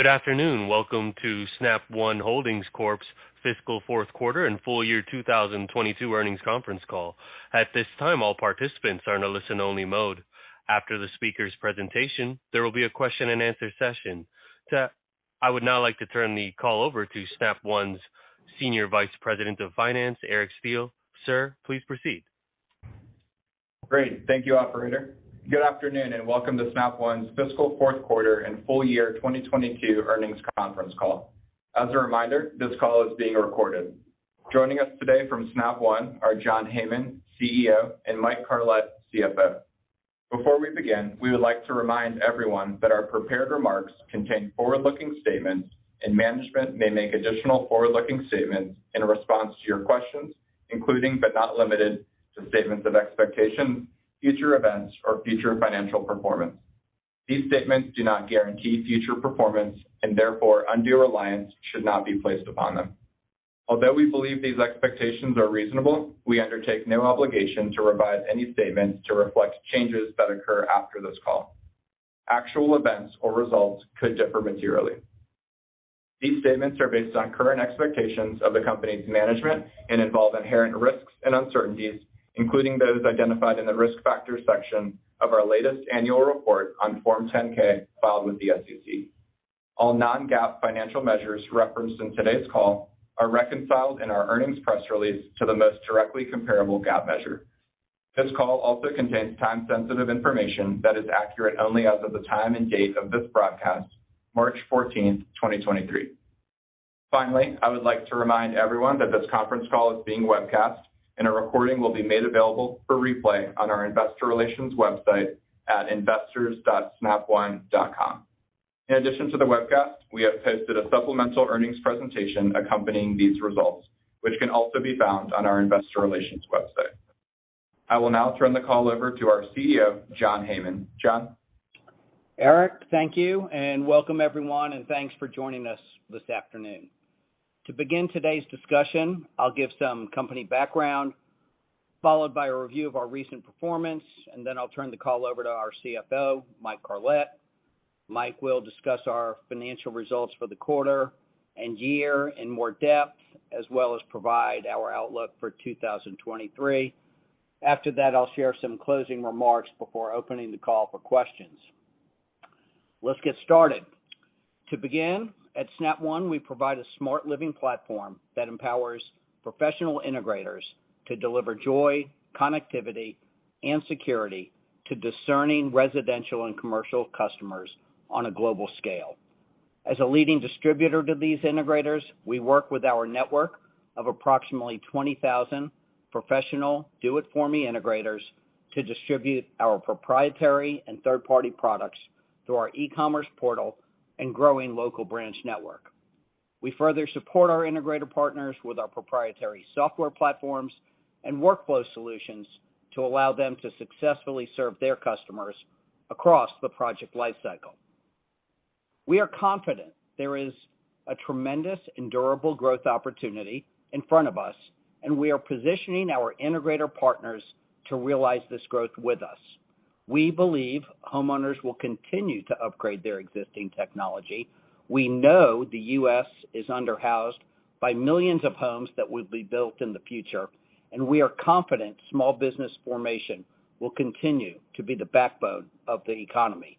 Good afternoon. Welcome to Snap One Holdings Corp's fiscal fourth quarter and full year 2022 earnings conference call. At this time, all participants are in a listen-only mode. After the speaker's presentation, there will be a question-and-answer session. I would now like to turn the call over to Snap One's Senior Vice President of Finance, Eric Steele. Sir, please proceed. Great. Thank you, operator. Good afternoon, welcome to Snap One's fiscal fourth quarter and full year 2022 earnings conference call. As a reminder, this call is being recorded. Joining us today from Snap One are John Heyman, CEO; and Mike Carlet, CFO. Before we begin, we would like to remind everyone that our prepared remarks contain forward-looking statements and management may make additional forward-looking statements in response to your questions, including, but not limited to statements of expectation, future events, or future financial performance. These statements do not guarantee future performance and therefore, undue reliance should not be placed upon them. Although we believe these expectations are reasonable, we undertake no obligation to revise any statements to reflect changes that occur after this call. Actual events or results could differ materially. These statements are based on current expectations of the company's management and involve inherent risks and uncertainties, including those identified in the Risk Factors section of our latest annual report on Form 10-K filed with the SEC. All non-GAAP financial measures referenced in today's call are reconciled in our earnings press release to the most directly comparable GAAP measure. This call also contains time-sensitive information that is accurate only as of the time and date of this broadcast, March 14th, 2023. Finally, I would like to remind everyone that this conference call is being webcast, and a recording will be made available for replay on our Investor Relations website at investors.snapone.com. In addition to the webcast, we have posted a supplemental earnings presentation accompanying these results, which can also be found on our Investor Relations website. I will now turn the call over to our CEO, John Heyman. John? Eric, thank you. Welcome everyone, and thanks for joining us this afternoon. To begin today's discussion, I'll give some company background, followed by a review of our recent performance, and then I'll turn the call over to our CFO, Mike Carlet. Mike will discuss our financial results for the quarter and year in more depth, as well as provide our outlook for 2023. After that, I'll share some closing remarks before opening the call for questions. Let's get started. To begin, at Snap One, we provide a smart living platform that empowers professional integrators to deliver joy, connectivity, and security to discerning residential and commercial customers on a global scale. As a leading distributor to these integrators, we work with our network of approximately 20,000 professional do it for me integrators to distribute our proprietary and third-party products through our e-commerce portal and growing local branch network. We further support our integrator partners with our proprietary software platforms and workflow solutions to allow them to successfully serve their customers across the project lifecycle. We are confident there is a tremendous and durable growth opportunity in front of us, and we are positioning our integrator partners to realize this growth with us. We believe homeowners will continue to upgrade their existing technology. We know the U.S. is under-housed by millions of homes that will be built in the future, and we are confident small business formation will continue to be the backbone of the economy.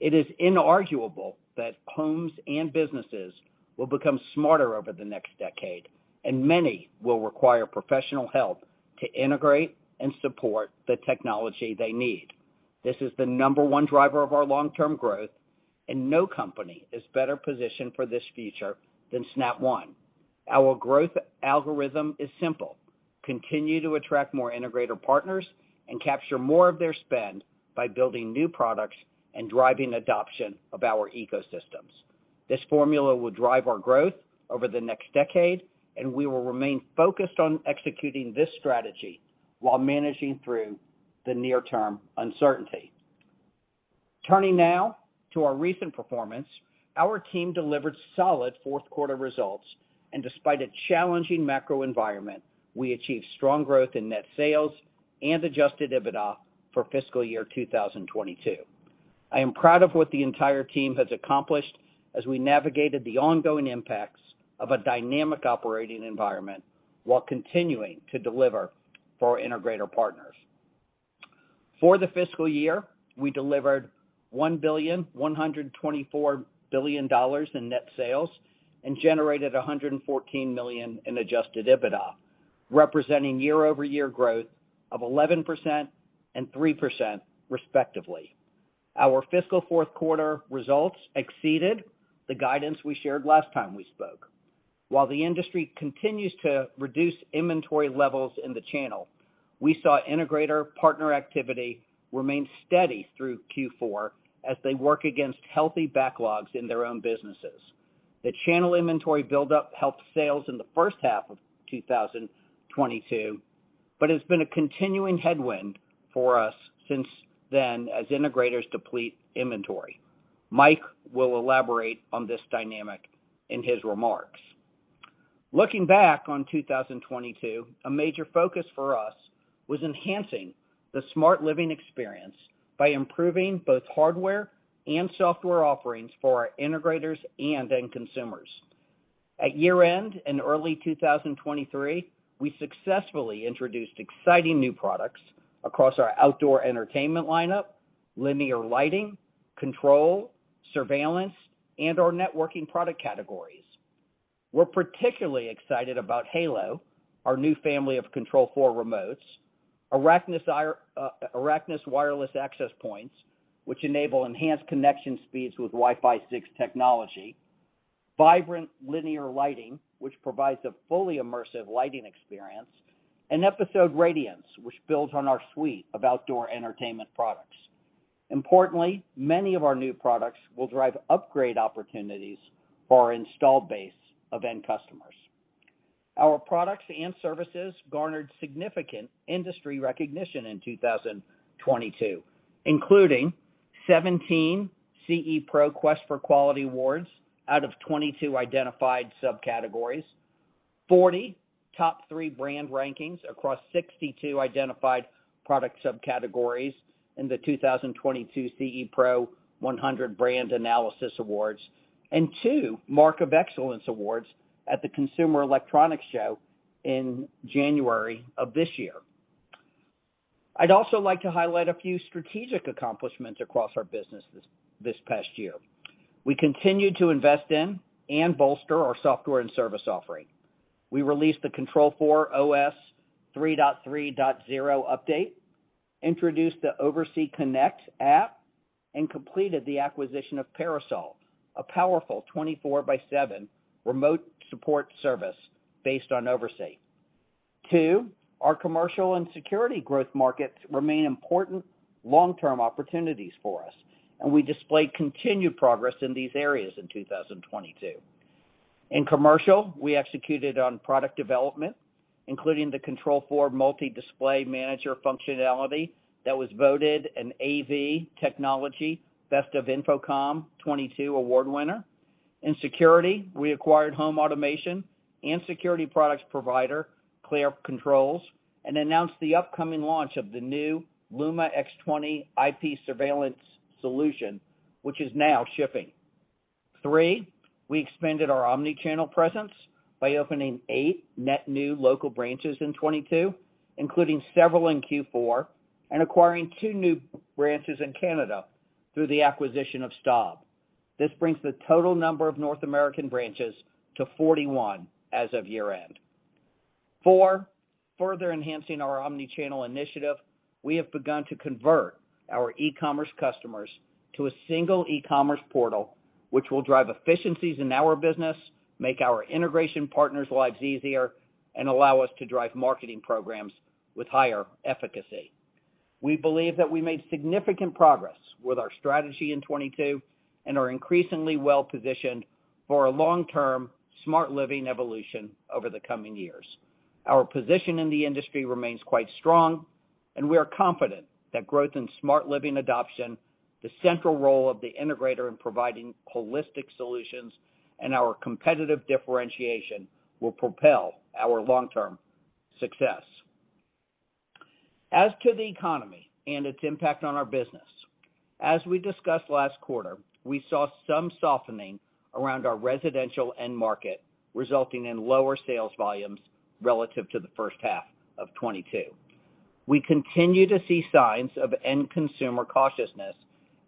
It is inarguable that homes and businesses will become smarter over the next decade, and many will require professional help to integrate and support the technology they need. This is the number one driver of our long-term growth, no company is better positioned for this future than Snap One. Our growth algorithm is simple: continue to attract more integrator partners and capture more of their spend by building new products and driving adoption of our ecosystems. This formula will drive our growth over the next decade, we will remain focused on executing this strategy while managing through the near-term uncertainty. Turning now to our recent performance. Our team delivered solid fourth quarter results despite a challenging macro environment, we achieved strong growth in net sales and Adjusted EBITDA for fiscal year 2022. I am proud of what the entire team has accomplished as we navigated the ongoing impacts of a dynamic operating environment while continuing to deliver for our integrator partners. For the fiscal year, we delivered $1.124 billion in net sales and generated $114 million in Adjusted EBITDA, representing year-over-year growth of 11% and 3% respectively. Our fiscal fourth quarter results exceeded the guidance we shared last time we spoke. The industry continues to reduce inventory levels in the channel, we saw integrator partner activity remain steady through Q4 as they work against healthy backlogs in their own businesses. The channel inventory buildup helped sales in the first half of 2022, has been a continuing headwind for us since then as integrators deplete inventory. Mike will elaborate on this dynamic in his remarks. Looking back on 2022, a major focus for us was enhancing the smart living experience by improving both hardware and software offerings for our integrators and end consumers. At year-end, in early 2023, we successfully introduced exciting new products across our outdoor entertainment lineup, linear lighting, control, surveillance, and our networking product categories. We're particularly excited about Halo, our new family of Control4 remotes, Araknis wireless access points, which enable enhanced connection speeds with Wi-Fi 6 technology, Vibrant Linear Lighting, which provides a fully immersive lighting experience, and Episode Radiance, which builds on our suite of outdoor entertainment products. Importantly, many of our new products will drive upgrade opportunities for our installed base of end customers. Our products and services garnered significant industry recognition in 2022, including 17 CE Pro Quest for Quality awards out of 22 identified subcategories, 40 top three brand rankings across 62 identified product subcategories in the 2022 CE Pro 100 Brand Analysis awards, and two Mark of Excellence awards at the Consumer Electronics Show in January of this year. I'd also like to highlight a few strategic accomplishments across our business this past year. We continued to invest in and bolster our software and service offering. We released the Control4 OS 3.3.0 update, introduced the OvrC Connect app, and completed the acquisition of Parasol, a powerful 24/7 remote support service based on OvrC. Two, our commercial and security growth markets remain important long-term opportunities for us, and we displayed continued progress in these areas in 2022. In commercial, we executed on product development, including the Control4 MultiDisplay Manager functionality that was voted an AV Technology Best of InfoComm 2022 award winner. In security, we acquired home automation and security products provider Clare Controls and announced the upcoming launch of the new Luma x20 IP surveillance solution, which is now shipping. Three. We expanded our omni-channel presence by opening eight net new local branches in 2022, including several in Q4, and acquiring two new branches in Canada through the acquisition of Staub. This brings the total number of North American branches to 41 as of year-end. Four. Further enhancing our omni-channel initiative, we have begun to convert our e-commerce customers to a single e-commerce portal, which will drive efficiencies in our business, make our integration partners' lives easier, and allow us to drive marketing programs with higher efficacy. We believe that we made significant progress with our strategy in 2022 and are increasingly well-positioned for a long-term smart living evolution over the coming years. Our position in the industry remains quite strong, and we are confident that growth in smart living adoption, the central role of the integrator in providing holistic solutions, and our competitive differentiation will propel our long-term success. As to the economy and its impact on our business, as we discussed last quarter, we saw some softening around our residential end market, resulting in lower sales volumes relative to the first half of 2022. We continue to see signs of end consumer cautiousness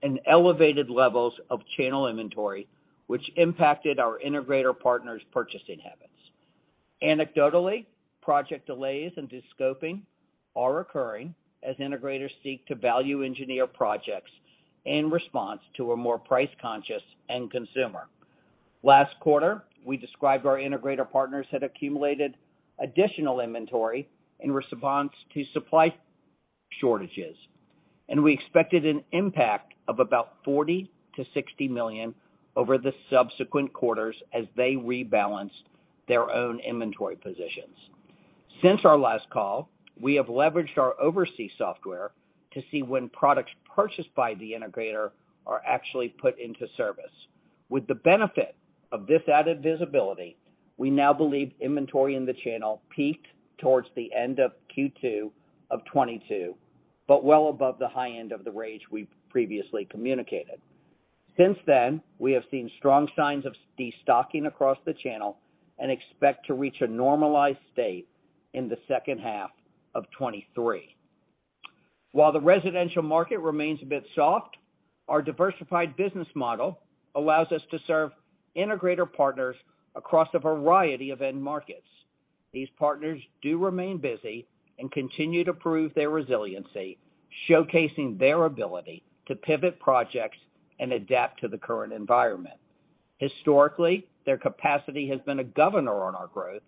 and elevated levels of channel inventory, which impacted our integrator partners' purchasing habits. Anecdotally, project delays and de-scoping are occurring as integrators seek to value engineer projects in response to a more price-conscious end consumer. Last quarter, we described our integrator partners had accumulated additional inventory in response to supply shortages. We expected an impact of about $40 million-$60 million over the subsequent quarters as they rebalanced their own inventory positions. Since our last call, we have leveraged our OvrC software to see when products purchased by the integrator are actually put into service. With the benefit of this added visibility, we now believe inventory in the channel peaked towards the end of Q2 of 2022. Well above the high end of the range we previously communicated. Since then, we have seen strong signs of de-stocking across the channel and expect to reach a normalized state in the second half of 2023. While the residential market remains a bit soft, our diversified business model allows us to serve integrator partners across a variety of end markets. These partners do remain busy and continue to prove their resiliency, showcasing their ability to pivot projects and adapt to the current environment. Historically, their capacity has been a governor on our growth,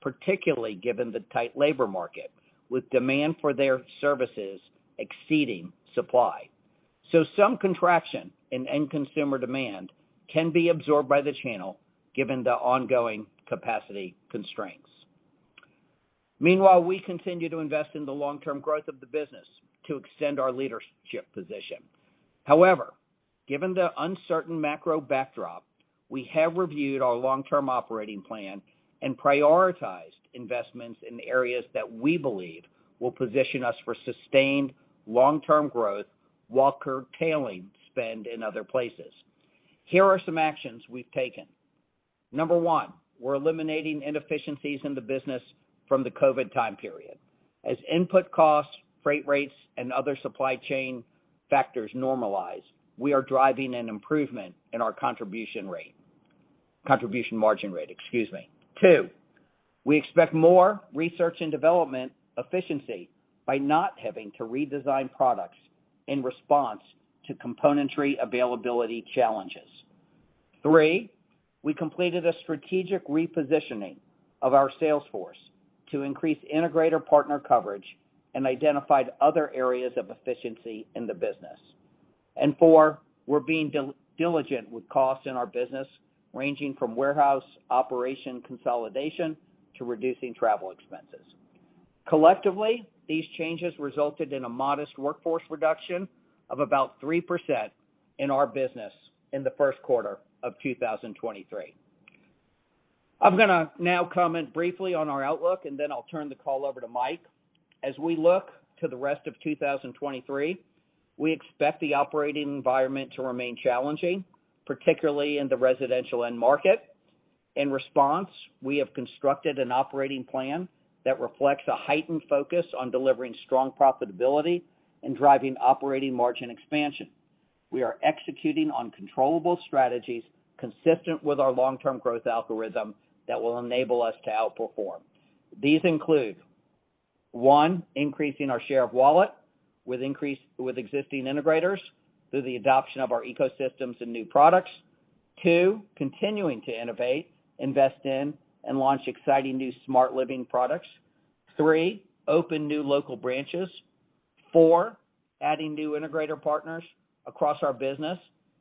particularly given the tight labor market, with demand for their services exceeding supply. Some contraction in end consumer demand can be absorbed by the channel given the ongoing capacity constraints. Meanwhile, we continue to invest in the long-term growth of the business to extend our leadership position. However, given the uncertain macro backdrop, we have reviewed our long-term operating plan and prioritized investments in areas that we believe will position us for sustained long-term growth while curtailing spend in other places. Here are some actions we've taken. Number one, we're eliminating inefficiencies in the business from the COVID time period. As input costs, freight rates, and other supply chain factors normalize, we are driving an improvement in our contribution rate. Contribution margin rate, excuse me. Two, we expect more research and development efficiency by not having to redesign products in response to componentry availability challenges. Three, we completed a strategic repositioning of our sales force to increase integrator partner coverage and identified other areas of efficiency in the business. Four, we're being diligent with costs in our business, ranging from warehouse operation consolidation to reducing travel expenses. Collectively, these changes resulted in a modest workforce reduction of about 3% in our business in the first quarter of 2023. I'm going to now comment briefly on our outlook, then I'll turn the call over to Mike. As we look to the rest of 2023, we expect the operating environment to remain challenging, particularly in the residential end market. In response, we have constructed an operating plan that reflects a heightened focus on delivering strong profitability and driving operating margin expansion. We are executing on controllable strategies consistent with our long-term growth algorithm that will enable us to outperform. These include, One, increasing our share of wallet with existing integrators through the adoption of our ecosystems and new products. Two, continuing to innovate, invest in, and launch exciting new smart living products. Three, open new local branches. Four, adding new integrator partners across our business,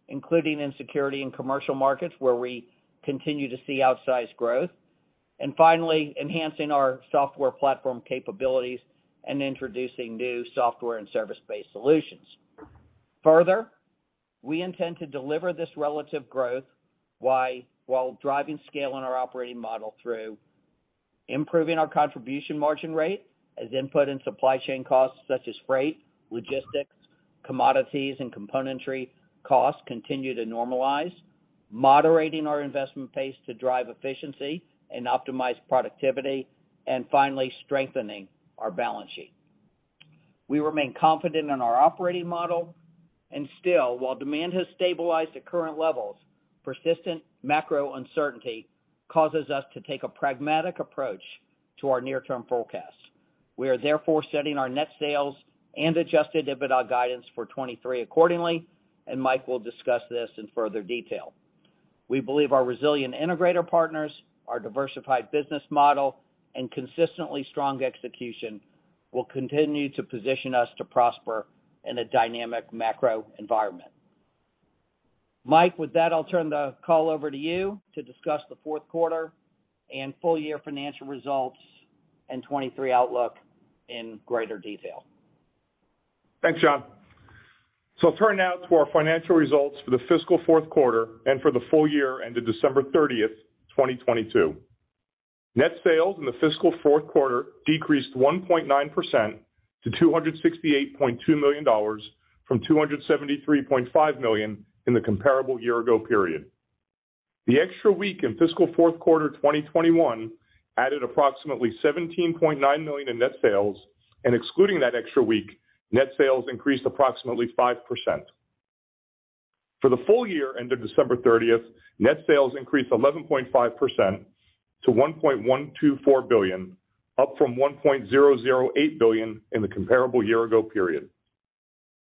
including in security and commercial markets, where we continue to see outsized growth. Finally, enhancing our software platform capabilities and introducing new software and service-based solutions. Further, we intend to deliver this relative growth while driving scale in our operating model through improving our contribution margin rate as input and supply chain costs such as freight, logistics, commodities, and componentry costs continue to normalize, moderating our investment pace to drive efficiency and optimize productivity, and finally, strengthening our balance sheet. We remain confident in our operating model, and still, while demand has stabilized at current levels, persistent macro uncertainty causes us to take a pragmatic approach to our near-term forecasts. We are therefore setting our net sales and Adjusted EBITDA guidance for 2023 accordingly, and Mike will discuss this in further detail. We believe our resilient integrator partners, our diversified business model, and consistently strong execution will continue to position us to prosper in a dynamic macro environment. Mike, with that, I'll turn the call over to you to discuss the fourth quarter and full-year financial results and 2023 outlook in greater detail. Thanks, John. I'll turn now to our financial results for the fiscal fourth quarter and for the full year ended December 30th, 2022. Net sales in the fiscal fourth quarter decreased 1.9% to $268.2 million from $273.5 million in the comparable year-ago period. The extra week in fiscal fourth quarter 2021 added approximately $17.9 million in net sales, and excluding that extra week, net sales increased approximately 5%. For the full year ended December 30, net sales increased 11.5% to $1.124 billion, up from $1.008 billion in the comparable year-ago period.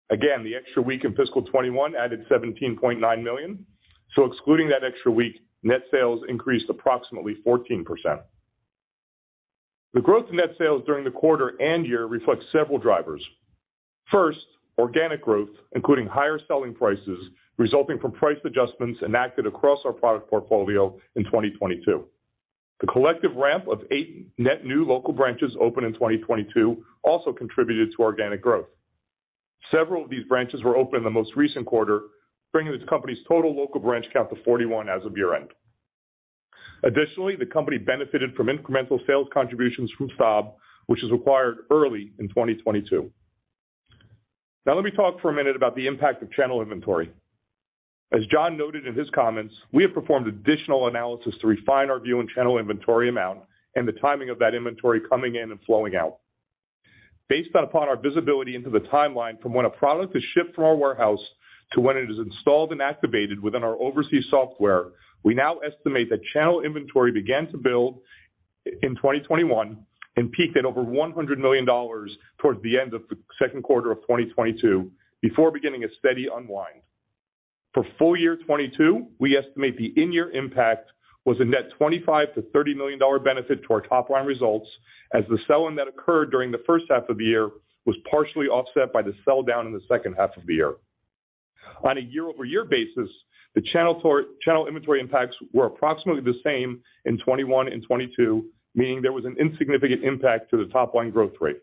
The extra week in fiscal 2021 added $17.9 million, excluding that extra week, net sales increased approximately 14%. The growth in net sales during the quarter and year reflects several drivers. First, organic growth, including higher selling prices resulting from price adjustments enacted across our product portfolio in 2022. The collective ramp of eight net new local branches opened in 2022 also contributed to organic growth. Several of these branches were opened in the most recent quarter, bringing the company's total local branch count to 41 as of year-end. Additionally, the company benefited from incremental sales contributions from Staub, which was acquired early in 2022. Now let me talk for a minute about the impact of channel inventory. As John noted in his comments, we have performed additional analysis to refine our view on channel inventory amount and the timing of that inventory coming in and flowing out. Based upon our visibility into the timeline from when a product is shipped from our warehouse to when it is installed and activated within our OvrC software, we now estimate that channel inventory began to build in 2021 and peaked at over $100 million towards the end of the second quarter of 2022 before beginning a steady unwind. For full year 2022, we estimate the in-year impact was a net $25 million-$30 million benefit to our top line results as the sell in that occurred during the first half of the year was partially offset by the sell down in the second half of the year. On a year-over-year basis, the channel inventory impacts were approximately the same in 2021 and 2022, meaning there was an insignificant impact to the top line growth rate.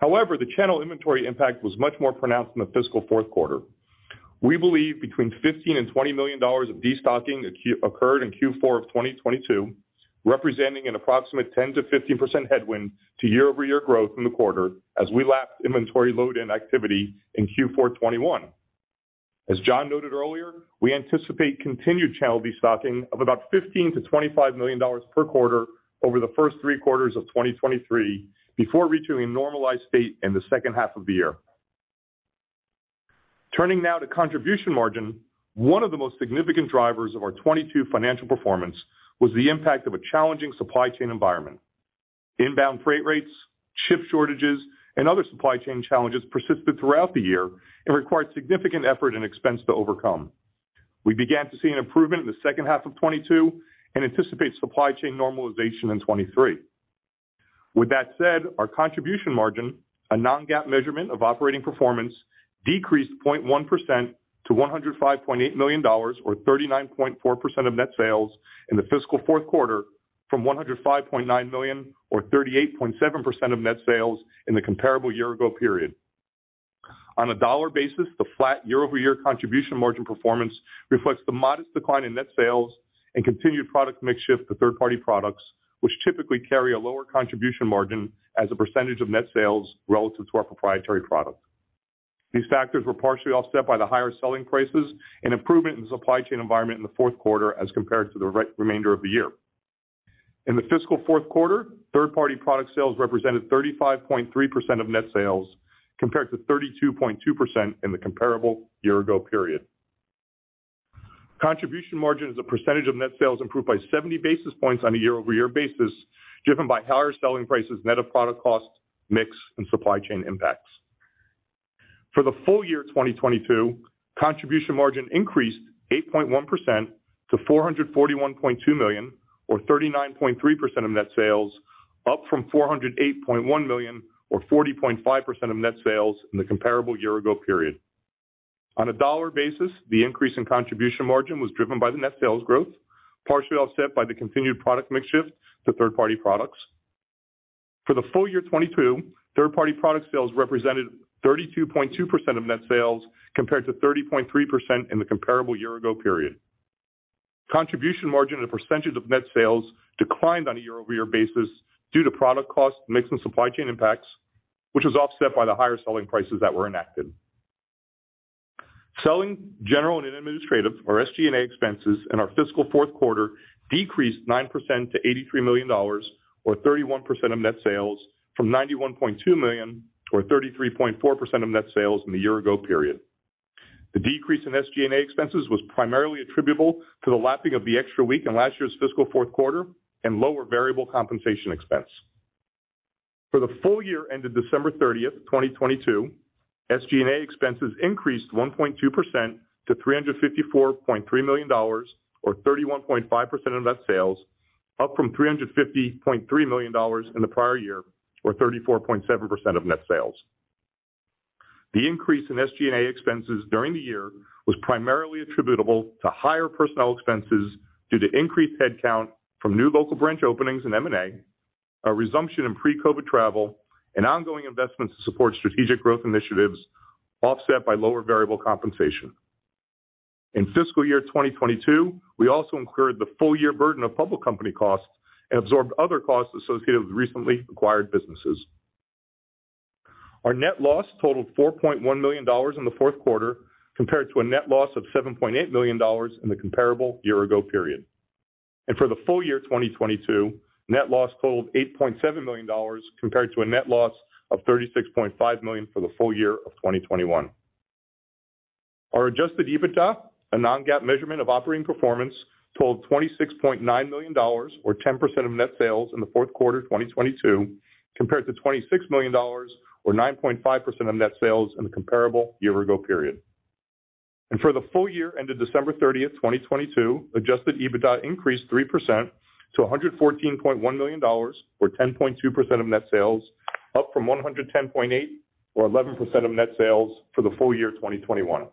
The channel inventory impact was much more pronounced in the fiscal fourth quarter. We believe between $15 million and $20 million of destocking occurred in Q4 of 2022, representing an approximate 10%-15% headwind to year-over-year growth in the quarter as we lapped inventory load in activity in Q4 2021. As John noted earlier, we anticipate continued channel destocking of about $15 million-$25 million per quarter over the first three quarters of 2023 before returning to a normalized state in the second half of the year. Turning now to contribution margin. One of the most significant drivers of our 2022 financial performance was the impact of a challenging supply chain environment. Inbound freight rates, chip shortages, and other supply chain challenges persisted throughout the year and required significant effort and expense to overcome. We began to see an improvement in the second half of 2022 and anticipate supply chain normalization in 2023. With that said, our contribution margin, a non-GAAP measurement of operating performance, decreased 0.1% to $105.8 million or 39.4% of net sales in the fiscal fourth quarter from $105.9 million or 38.7% of net sales in the comparable year-ago period. On a dollar basis, the flat year-over-year contribution margin performance reflects the modest decline in net sales and continued product mix shift to third-party products, which typically carry a lower contribution margin as a percentage of net sales relative to our proprietary product. These factors were partially offset by the higher selling prices and improvement in the supply chain environment in the fourth quarter as compared to the remainder of the year. In the fiscal fourth quarter, third-party product sales represented 35.3% of net sales, compared to 32.2% in the comparable year-ago period. Contribution margin as a percentage of net sales improved by 70 basis points on a year-over-year basis, driven by higher selling prices net of product cost, mix, and supply chain impacts. For the full year 2022, contribution margin increased 8.1% to $441.2 million or 39.3% of net sales, up from $408.1 million or 40.5% of net sales in the comparable year-ago period. On a dollar basis, the increase in contribution margin was driven by the net sales growth, partially offset by the continued product mix shift to third-party products. For the full year 2022, third-party product sales represented 32.2% of net sales compared to 30.3% in the comparable year-ago period. Contribution margin as a percentage of net sales declined on a year-over-year basis due to product cost mix and supply chain impacts, which was offset by the higher selling prices that were enacted. Selling, general and administrative, or SG&A expenses in our fiscal fourth quarter decreased 9% to $83 million or 31% of net sales from $91.2 million or 33.4% of net sales in the year-ago period. The decrease in SG&A expenses was primarily attributable to the lapping of the extra week in last year's fiscal fourth quarter and lower variable compensation expense. For the full year ended December 30th, 2022, SG&A expenses increased 1.2% to $354.3 million or 31.5% of net sales, up from $350.3 million in the prior year or 34.7% of net sales. The increase in SG&A expenses during the year was primarily attributable to higher personnel expenses due to increased headcount from new local branch openings in M&A, a resumption in pre-COVID travel, and ongoing investments to support strategic growth initiatives offset by lower variable compensation. In fiscal year 2022, we also incurred the full year burden of public company costs and absorbed other costs associated with recently acquired businesses. Our net loss totaled $4.1 million in the fourth quarter compared to a net loss of $7.8 million in the comparable year ago period. For the full year 2022, net loss totaled $8.7 million compared to a net loss of $36.5 million for the full year of 2021. Our Adjusted EBITDA, a non-GAAP measurement of operating performance, totaled $26.9 million or 10% of net sales in the fourth quarter 2022, compared to $26 million or 9.5% of net sales in the comparable year-ago period. For the full year ended December 30th, 2022, Adjusted EBITDA increased 3% to $114.1 million or 10.2% of net sales, up from $110.8 million or 11% of net sales for the full year 2021.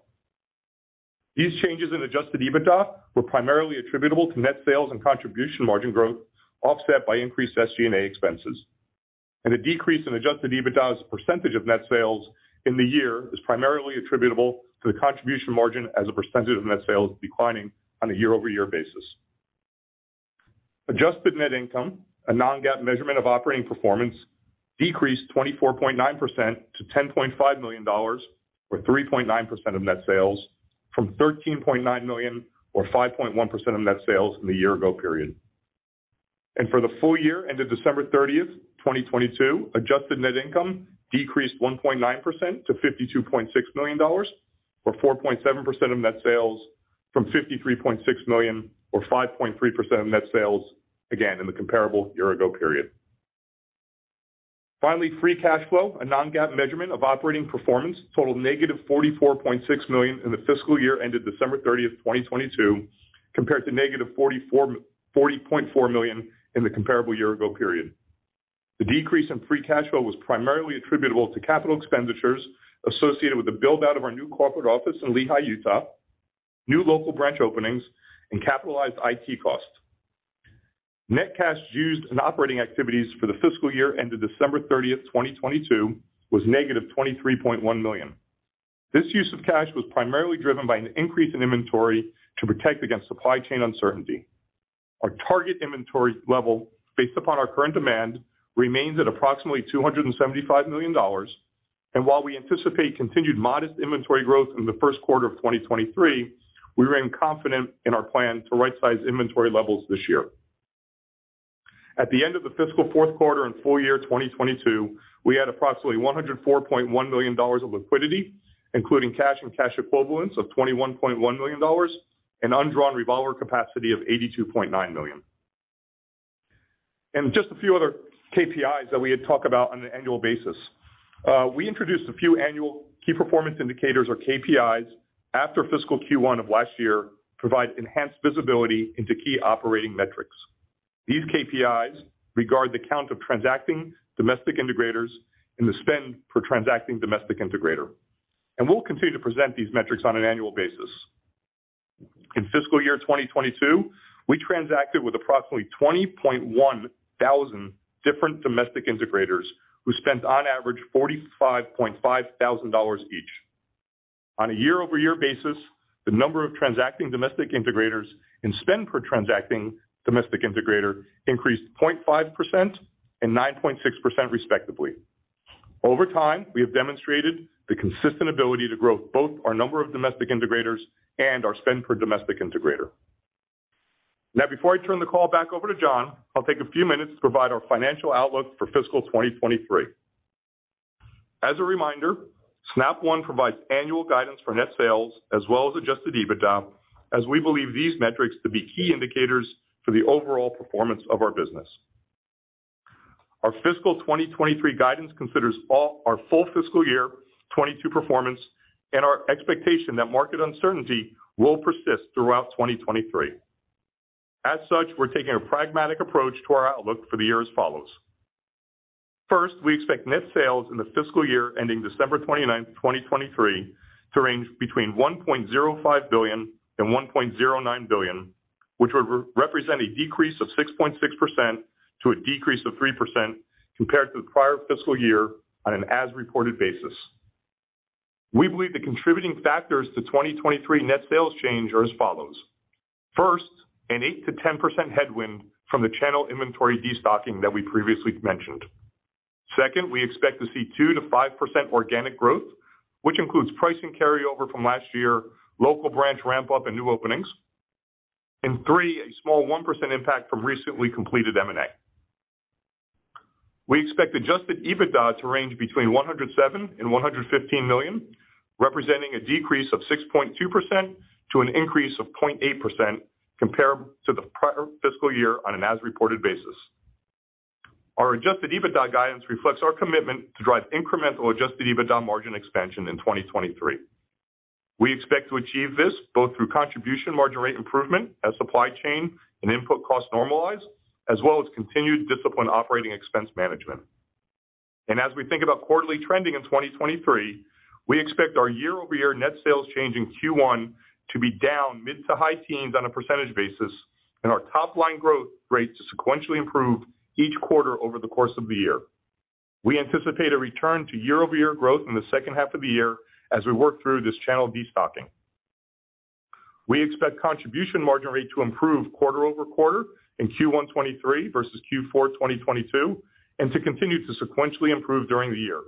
These changes in Adjusted EBITDA were primarily attributable to net sales and contribution margin growth, offset by increased SG&A expenses. A decrease in Adjusted EBITDA as a percentage of net sales in the year is primarily attributable to the contribution margin as a percentage of net sales declining on a year-over-year basis. Adjusted net income, a non-GAAP measurement of operating performance, decreased 24.9% to $10.5 million or 3.9% of net sales from $13.9 million or 5.1% of net sales in the year ago period. For the full year ended December 30th, 2022, adjusted net income decreased 1.9% to $52.6 million or 4.7% of net sales from $53.6 million or 5.3% of net sales again in the comparable year ago period. Free cash flow, a non-GAAP measurement of operating performance, totaled $-44.6 million in the fiscal year ended December 30th, 2022, compared to $-40.4 million in the comparable year-ago period. The decrease in free cash flow was primarily attributable to capital expenditures associated with the build-out of our new corporate office in Lehi, Utah, new local branch openings, and capitalized IT costs. Net cash used in operating activities for the fiscal year ended December 30th, 2022, was $-23.1 million. This use of cash was primarily driven by an increase in inventory to protect against supply chain uncertainty. Our target inventory level based upon our current demand remains at approximately $275 million. While we anticipate continued modest inventory growth in the first quarter of 2023, we remain confident in our plan to right-size inventory levels this year. At the end of the fiscal fourth quarter and full year 2022, we had approximately $104.1 million of liquidity, including cash and cash equivalents of $21.1 million and undrawn revolver capacity of $82.9 million. Just a few other KPIs that we had talked about on an annual basis. We introduced a few annual key performance indicators or KPIs after fiscal Q1 of last year to provide enhanced visibility into key operating metrics. These KPIs regard the count of transacting domestic integrators and the spend per transacting domestic integrator. We'll continue to present these metrics on an annual basis. In fiscal year 2022, we transacted with approximately 20.1 thousand different domestic integrators who spent on average $45.5 thousand each. On a year-over-year basis, the number of transacting domestic integrators and spend per transacting domestic integrator increased 0.5% and 9.6%, respectively. Over time, we have demonstrated the consistent ability to grow both our number of domestic integrators and our spend per domestic integrator. Before I turn the call back over to John, I'll take a few minutes to provide our financial outlook for fiscal 2023. As a reminder, Snap One provides annual guidance for net sales as well as Adjusted EBITDA, as we believe these metrics to be key indicators for the overall performance of our business. Our fiscal 2023 guidance considers our full fiscal year 2022 performance and our expectation that market uncertainty will persist throughout 2023. We're taking a pragmatic approach to our outlook for the year as follows. First, we expect net sales in the fiscal year ending December 29th, 2023 to range between $1.05 billion and $1.09 billion, which would re-represent a decrease of 6.6% to a decrease of 3% compared to the prior fiscal year on an as-reported basis. We believe the contributing factors to 2023 net sales change are as follows. First, an 8%-10% headwind from the channel inventory destocking that we previously mentioned. Second, we expect to see 2%-5% organic growth, which includes pricing carryover from last year, local branch ramp up and new openings. Three, a small 1% impact from recently completed M&A. We expect Adjusted EBITDA to range between $107 million and $115 million, representing a decrease of 6.2% to an increase of 0.8% compared to the prior fiscal year on an as-reported basis. Our Adjusted EBITDA guidance reflects our commitment to drive incremental Adjusted EBITDA margin expansion in 2023. We expect to achieve this both through contribution margin rate improvement as supply chain and input costs normalize, as well as continued disciplined operating expense management. As we think about quarterly trending in 2023, we expect our year-over-year net sales change in Q1 to be down mid to high teens on a percentage basis, and our top-line growth rate to sequentially improve each quarter over the course of the year. We anticipate a return to year-over-year growth in the second half of the year as we work through this channel destocking. We expect contribution margin rate to improve quarter-over-quarter in Q1 2023 versus Q4 2022, and to continue to sequentially improve during the year.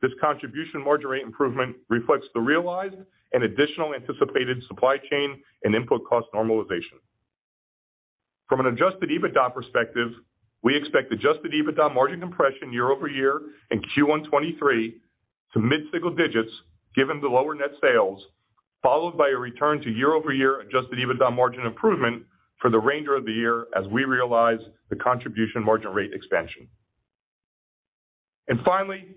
This contribution margin rate improvement reflects the realized and additional anticipated supply chain and input cost normalization. From an Adjusted EBITDA perspective, we expect Adjusted EBITDA margin compression year-over-year in Q1 2023 to mid-single digits given the lower net sales, followed by a return to year-over-year Adjusted EBITDA margin improvement for the remainder of the year as we realize the contribution margin rate expansion. Finally,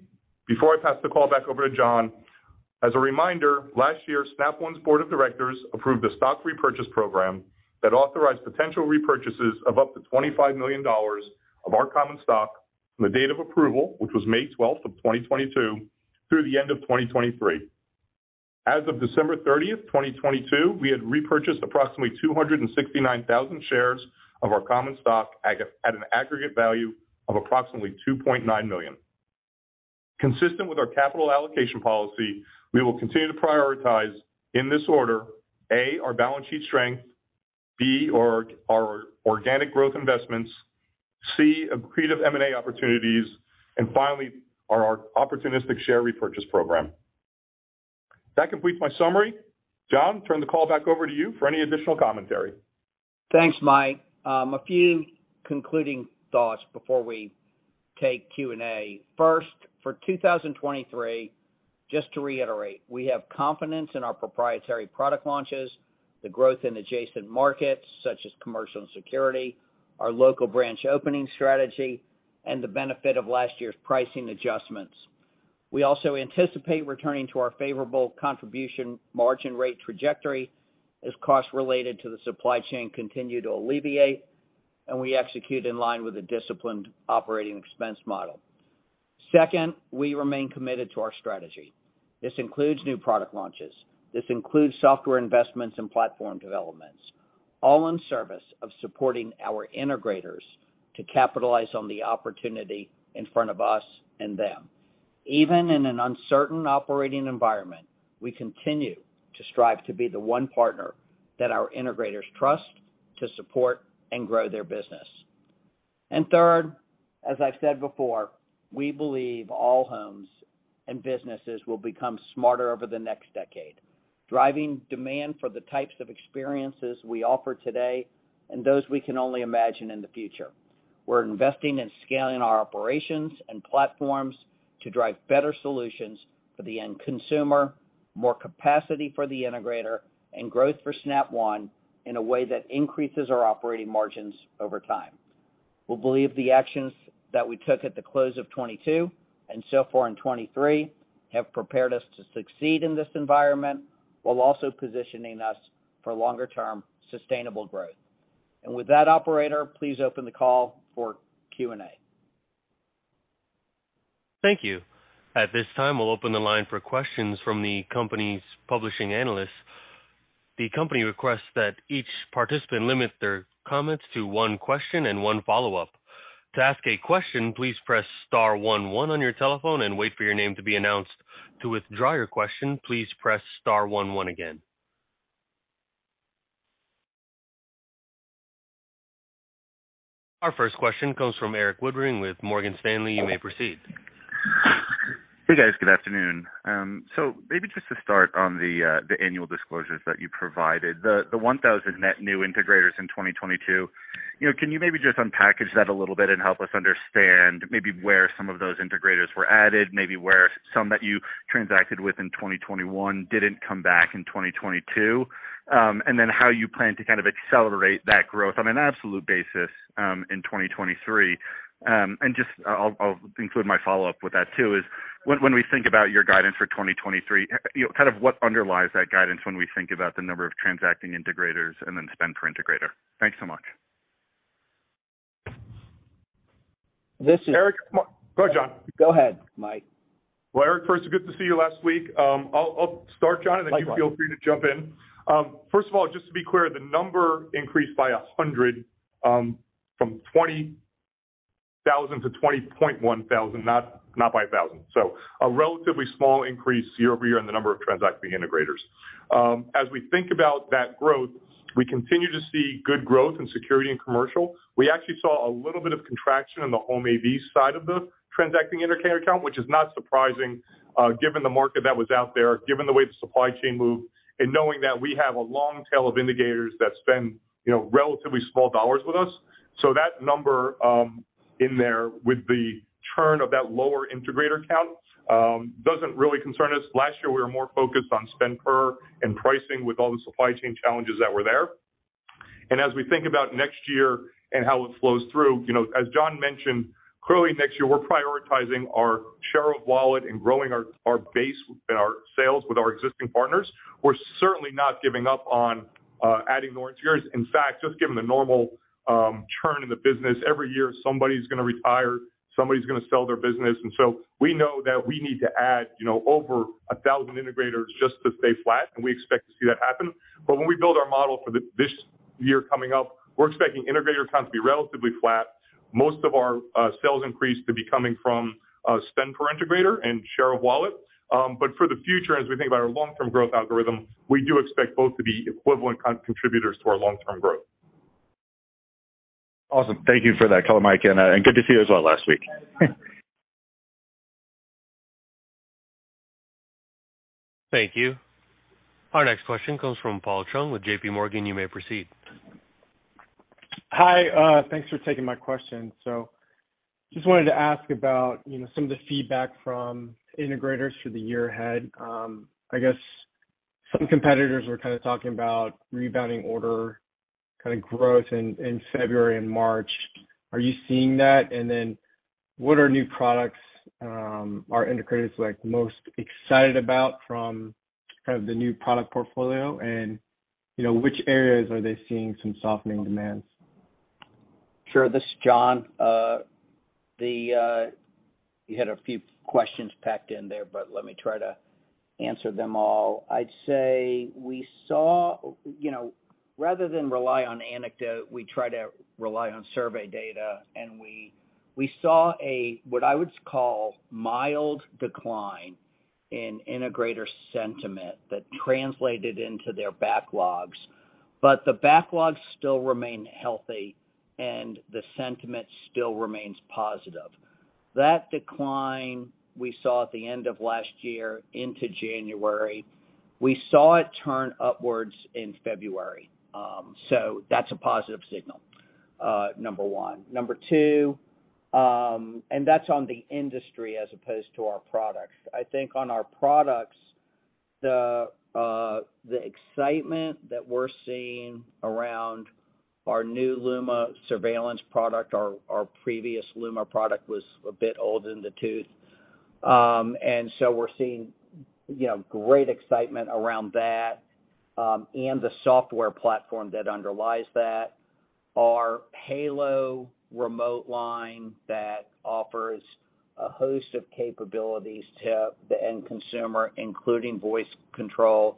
before I pass the call back over to John, as a reminder, last year Snap One's board of directors approved a stock repurchase program that authorized potential repurchases of up to $25 million of our common stock from the date of approval, which was May 12th, 2022, through the end of 2023. As of December 30th, 2022, we had repurchased approximately 269,000 shares of our common stock at an aggregate value of approximately $2.9 million. Consistent with our capital allocation policy, we will continue to prioritize in this order: A, our balance sheet strength, B, our organic growth investments, C, accretive M&A opportunities, and finally, our opportunistic share repurchase program. That completes my summary. John, turn the call back over to you for any additional commentary. Thanks, Mike. A few concluding thoughts before we take Q&A. First, for 2023, just to reiterate, we have confidence in our proprietary product launches, the growth in adjacent markets such as commercial and security, our local branch opening strategy, and the benefit of last year's pricing adjustments. We also anticipate returning to our favorable contribution margin rate trajectory as costs related to the supply chain continue to alleviate, and we execute in line with a disciplined operating expense model. Second, we remain committed to our strategy. This includes new product launches. This includes software investments and platform developments, all in service of supporting our integrators to capitalize on the opportunity in front of us and them. Even in an uncertain operating environment, we continue to strive to be the one partner that our integrators trust to support and grow their business. Third, as I've said before, we believe all homes and businesses will become smarter over the next decade, driving demand for the types of experiences we offer today and those we can only imagine in the future. We're investing in scaling our operations and platforms to drive better solutions for the end consumer, more capacity for the integrator, and growth for Snap One in a way that increases our operating margins over time. We believe the actions that we took at the close of 2022 and so far in 2023 have prepared us to succeed in this environment while also positioning us for longer-term sustainable growth. With that, operator, please open the call for Q&A. Thank you. At this time, we'll open the line for questions from the company's publishing analysts. The company requests that each participant limit their comments to one question and one follow-up. To ask a question, please press star one one on your telephone and wait for your name to be announced. To withdraw your question, please press star one one again. Our first question comes from Erik Woodring with Morgan Stanley. You may proceed. Hey, guys. Good afternoon. Maybe just to start on the annual disclosures that you provided, the 1,000 net new integrators in 2022, you know, can you maybe just unpackage that a little bit and help us understand maybe where some of those integrators were added, maybe where some that you transacted with in 2021 didn't come back in 2022, and then how you plan to kind of accelerate that growth on an absolute basis, in 2023. Just I'll include my follow-up with that too, is when we think about your guidance for 2023, you know, kind of what underlies that guidance when we think about the number of transacting integrators and then spend per integrator. Thanks so much. This is- Go, John. Go ahead, Mike. Well, Eric, first, good to see you last week. I'll start, John, then you feel free to jump in. First of all, just to be clear, the number increased by 100, from 20,000 to 20.1 thousand, not by 1,000. A relatively small increase year-over-year in the number of transacting integrators. As we think about that growth, we continue to see good growth in security and commercial. We actually saw a little bit of contraction in the home AV side of the transacting integrator count, which is not surprising, given the market that was out there, given the way the supply chain moved, and knowing that we have a long tail of integrators that spend, you know, relatively small dollars with us. That number in there with the churn of that lower integrator count doesn't really concern us. Last year, we were more focused on spend per and pricing with all the supply chain challenges that were there. As we think about next year and how it flows through, you know, as John mentioned, clearly next year we're prioritizing our share of wallet and growing our base and our sales with our existing partners. We're certainly not giving up on adding more integrators. In fact, just given the normal churn in the business, every year somebody's gonna retire, somebody's gonna sell their business. We know that we need to add, you know, over 1,000 integrators just to stay flat, and we expect to see that happen. When we build our model for this year coming up, we're expecting integrator count to be relatively flat. Most of our sales increase to be coming from spend per integrator and share of wallet. For the future, as we think about our long-term growth algorithm, we do expect both to be equivalent contributors to our long-term growth. Awesome. Thank you for that color, Mike, and good to see you as well last week. Thank you. Our next question comes from Paul Chung with JPMorgan. You may proceed. Hi, thanks for taking my question. Just wanted to ask about, you know, some of the feedback from integrators for the year ahead. I guess some competitors are kind of talking about rebounding order, kind of growth in February and March. Are you seeing that? What are new products are integrators, like, most excited about from kind of the new product portfolio? Which areas are they seeing some softening demands? Sure. This is John. You had a few questions packed in there, let me try to answer them all. I'd say we saw. You know, rather than rely on anecdote, we try to rely on survey data, we saw a what I would call mild decline in integrator sentiment that translated into their backlogs. The backlogs still remain healthy and the sentiment still remains positive. That decline we saw at the end of last year into January, we saw it turn upwards in February, that's a positive signal, number one. Number two, that's on the industry as opposed to our products. I think on our products, the excitement that we're seeing around our new Luma surveillance product, our previous Luma product was a bit old in the tooth. We're seeing, you know, great excitement around that and the software platform that underlies that. Our Halo remote line that offers a host of capabilities to the end consumer, including voice control,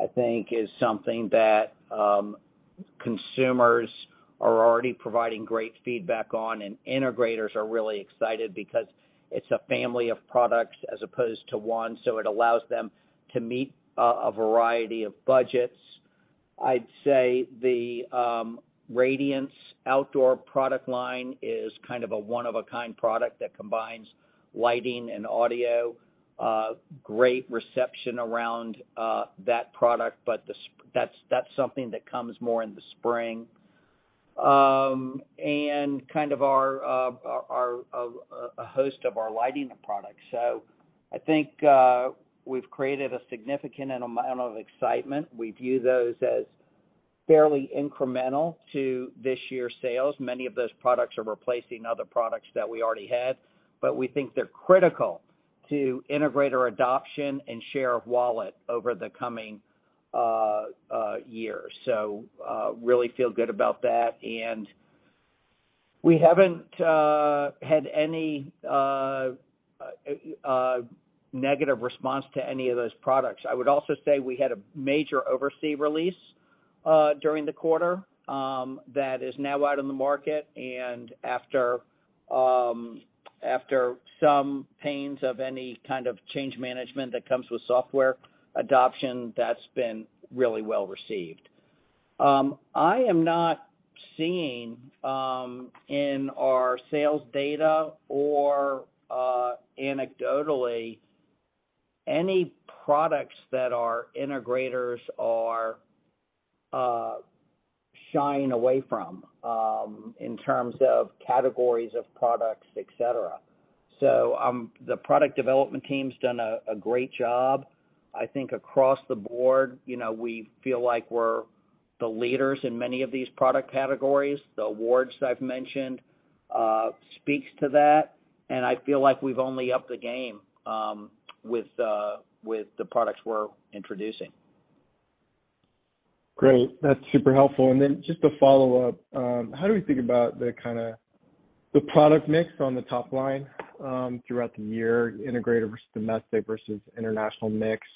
I think is something that consumers are already providing great feedback on, and integrators are really excited because it's a family of products as opposed to one, so it allows them to meet a variety of budgets. I'd say the Radiance outdoor product line is kind of a one-of-a-kind product that combines lighting and audio. Great reception around that product. That's something that comes more in the spring. Kind of a host of our lighting products. I think we've created a significant amount of excitement. We view those as fairly incremental to this year's sales. Many of those products are replacing other products that we already had, but we think they're critical to integrator adoption and share of wallet over the coming years. Really feel good about that. We haven't had any negative response to any of those products. I would also say we had a major OvrC release during the quarter, that is now out in the market. After some pains of any kind of change management that comes with software adoption, that's been really well received. I am not seeing in our sales data or anecdotally any products that our integrators are shying away from in terms of categories of products, etc. The product development team's done a great job. I think across the board, you know, we feel like we're the leaders in many of these product categories. The awards that I've mentioned, speaks to that, and I feel like we've only upped the game, with the products we're introducing. Great. That's super helpful. Just a follow-up. How do we think about the kind of the product mix on the top line throughout the year, integrator versus domestic versus international mix?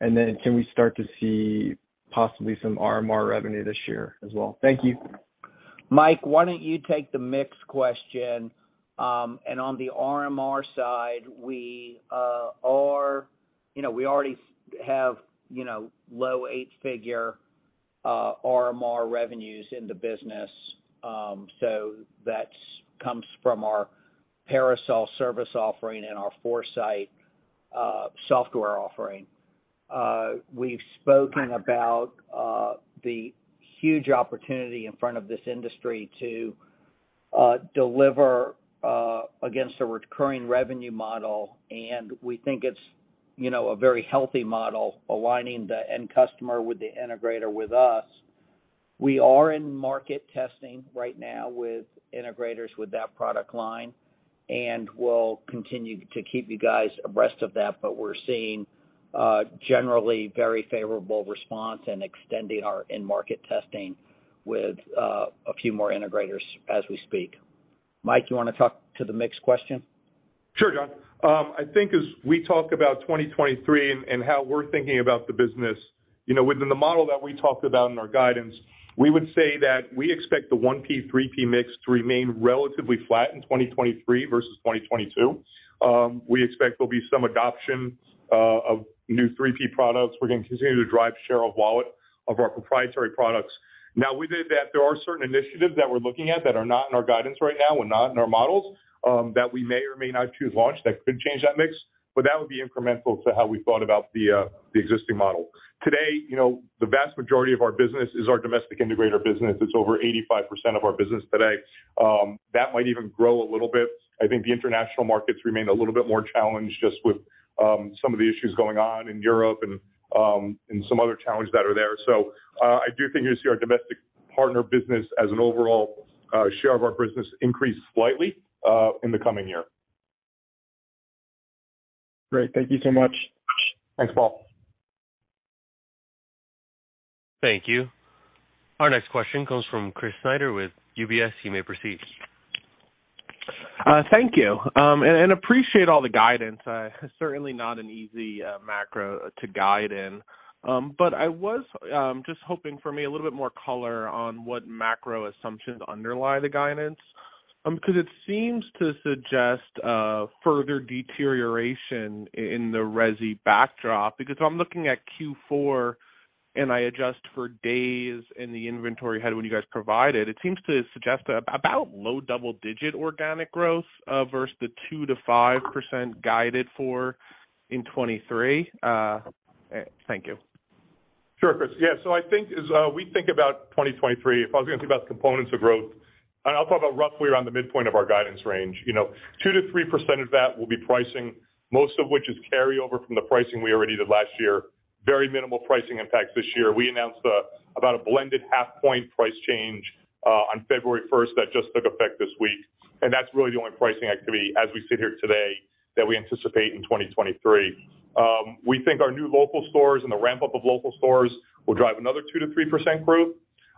Can we start to see possibly some RMR revenue this year as well? Thank you. Mike, why don't you take the mix question? On the RMR side, we are, you know, we already have, you know, low eight-figure RMR revenues in the business. That's comes from our Parasol service offering and our Foresight software offering. We've spoken about the huge opportunity in front of this industry to deliver against a recurring revenue model, and we think it's, you know, a very healthy model aligning the end customer with the integrator with us. We are in market testing right now with integrators with that product line, and we'll continue to keep you guys abreast of that. We're seeing generally very favorable response and extending our end market testing with a few more integrators as we speak. Mike, you wanna talk to the mix question? Sure, John. I think as we talk about 2023 and how we're thinking about the business, you know, within the model that we talked about in our guidance, we would say that we expect the 1P/3P mix to remain relatively flat in 2023 versus 2022. We expect there'll be some adoption of new 3P products. We're gonna continue to drive share of wallet of our proprietary products. Now with that, there are certain initiatives that we're looking at that are not in our guidance right now and not in our models that we may or may not choose to launch that could change that mix, but that would be incremental to how we thought about the existing model. Today, you know, the vast majority of our business is our domestic integrator business. It's over 85% of our business today. That might even grow a little bit. I think the international markets remain a little bit more challenged just with some of the issues going on in Europe and some other challenges that are there. I do think you'll see our domestic partner business as an overall share of our business increase slightly in the coming year. Great. Thank you so much. Thanks, Paul. Thank you. Our next question comes from Chris Snyder with UBS. You may proceed. Thank you, and appreciate all the guidance. Certainly not an easy macro to guide in. I was just hoping for maybe a little bit more color on what macro assumptions underlie the guidance. Because it seems to suggest a further deterioration in the resi backdrop. I'm looking at Q4, and I adjust for days and the inventory you had when you guys provided, it seems to suggest about low double-digit organic growth versus the 2%-5% guided for in 2023. Thank you. Sure, Chris. I think as we think about 2023, if I was gonna think about components of growth, and I'll talk about roughly around the midpoint of our guidance range. You know, 2%-3% of that will be pricing, most of which is carryover from the pricing we already did last year. Very minimal pricing impact this year. We announced about a blended half point price change on February first that just took effect this week, and that's really the only pricing activity as we sit here today that we anticipate in 2023. We think our new local stores and the ramp-up of local stores will drive another 2%-3% growth.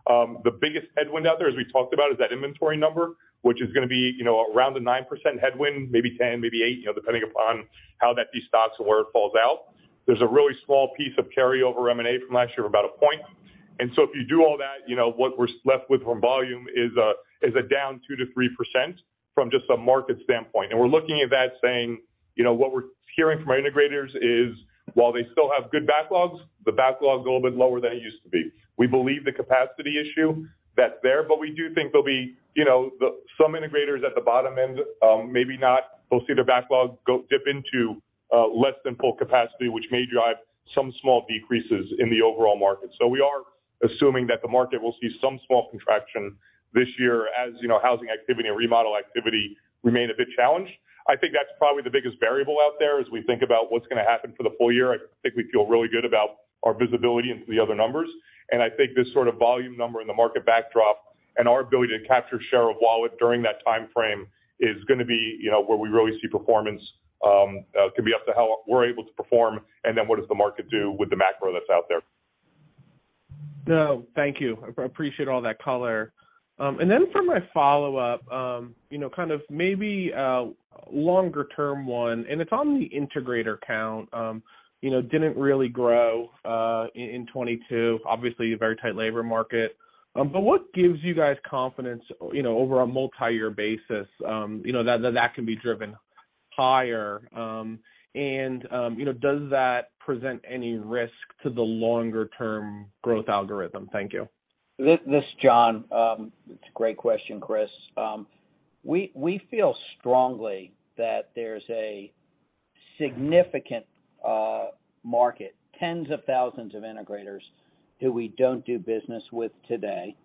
The biggest headwind out there, as we talked about, is that inventory number, which is gonna be, you know, around the 9% headwind, maybe 10%, maybe 8%, you know, depending upon how that destocks and where it falls out. There's a really small piece of carryover M&A from last year of about 1 point. If you do all that, you know, what we're left with from volume is a down 2%-3% from just a market standpoint. We're looking at that saying, you know, what we're hearing from our integrators is while they still have good backlogs, the backlogs are a little bit lower than it used to be. We believe the capacity issue, that's there, we do think there'll be, you know, some integrators at the bottom end, maybe not, we'll see their backlog go dip into less than full capacity, which may drive some small decreases in the overall market. We are assuming that the market will see some small contraction this year as, you know, housing activity and remodel activity remain a bit challenged. I think that's probably the biggest variable out there as we think about what's gonna happen for the full year. I think we feel really good about our visibility into the other numbers. I think this sort of volume number and the market backdrop and our ability to capture share of wallet during that timeframe is gonna be, you know, where we really see performance can be up to how we're able to perform. What does the market do with the macro that's out there. No, thank you. I appreciate all that color. For my follow-up, you know, kind of maybe a longer-term one, and it's on the integrator count. you know, didn't really grow in 2022. Obviously, a very tight labor market. What gives you guys confidence, you know, over a multi-year basis, you know, that can be driven higher? Does that present any risk to the longer-term growth algorithm? Thank you. This John. It's a great question, Chris. We feel strongly that there's a significant market, tens of thousands of integrators who we don't do business with today.